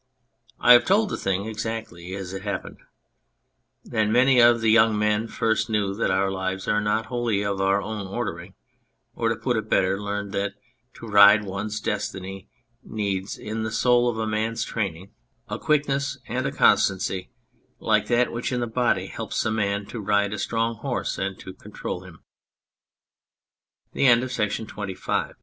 I have told the thing exactly as it happened. Then many of the young men first knew that our lives are not wholly of our own ordering, or, to put it better, learned that to ride one's destiny needs in the soul of a man a training, a quickness and a constancy like that which, in the body, helps a man to ride a strong horse and